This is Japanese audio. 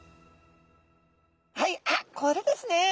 はいあっこれですね。